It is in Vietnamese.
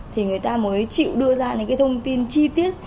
thì người ta mới chịu đưa ra những cái thông tin chi tiết